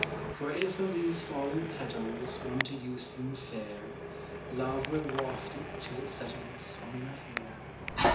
For if of these fallen petals One to you seem fair, Love will waft it till it settles On your hair.